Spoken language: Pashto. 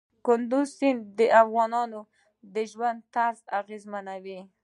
کندز سیند د افغانانو د ژوند طرز اغېزمنوي.